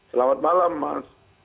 selamat malam mas